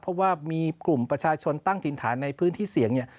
เพราะว่ามีกลุ่มประชาชนตั้งถิ่นฐานในพื้นที่เสี่ยงเนี่ย